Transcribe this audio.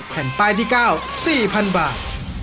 แผ่นป้ายที่๙๔๐๐๐บาท